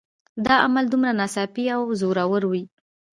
دا عمل دومره ناڅاپي او زوراور وي